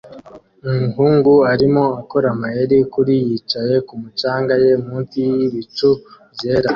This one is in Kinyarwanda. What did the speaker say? Umuhungu arimo akora amayeri kuri yicaye kumu canga ye munsi yibicu byera